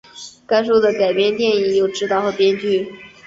该书的改编电影由执导和编剧。